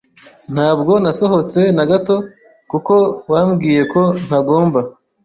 Ntabwo nasohotse na gato kuko wambwiye ko ntagomba.